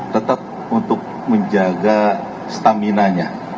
tetap untuk menjaga stamina nya